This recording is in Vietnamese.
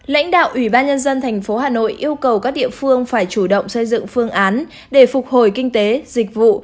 lãnh đạo ủy ban nhân dân tp hà nội yêu cầu các địa phương phải chủ động xây dựng phương án để phục hồi kinh tế dịch vụ